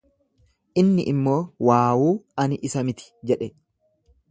Inni immoo, Waawuu ani isa miti jedhe.